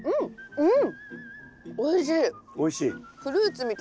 うん。